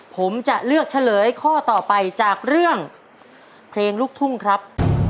ผมจะเลือกเฉลยข้อต่อไปจากเรื่องเพลงลูกทุ่งครับ